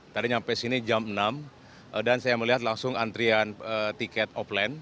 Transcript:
tadi sampai sini jam enam dan saya melihat langsung antrian tiket offline